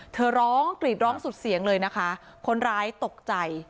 เธอร้องกรีดร้องสุดเสียงเลยนะคะคนร้ายตกใจ